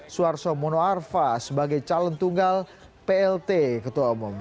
suarso mono arfa sebagai calon tunggal plt ketua umum